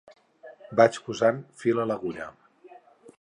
Vaig posant fil a l’agulla.